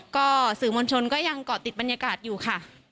ก็สื่อมวลชนก็ยังเกาะติดบรรยากาศอยู่ค่ะ